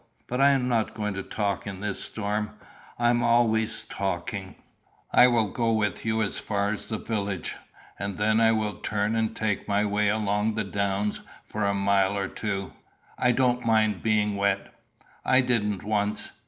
But I am not going to talk in this storm. I am always talking." "I will go with you as far as the village, and then I will turn and take my way along the downs for a mile or two; I don't mind being wet." "I didn't once."